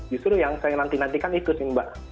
justru yang saya nanti nantikan itu sih mbak